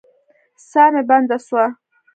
ساه مي بنده سوه.